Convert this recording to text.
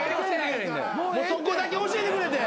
そこだけ教えてくれって。